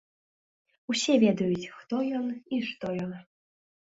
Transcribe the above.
Усе ведаюць, хто ён і што ён.